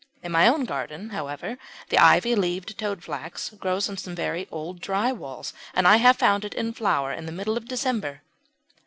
In my own garden, however, the ivy leaved Toadflax grows on some very dry old walls, and I have found it in flower in the middle of December.